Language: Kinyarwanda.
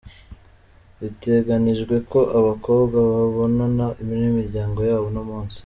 Biteganijwe ko abo bakobwa babonana n'imiryango yabo uno munsi .